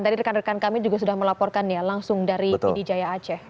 tadi rekan rekan kami juga sudah melaporkan ya langsung dari pd jaya aceh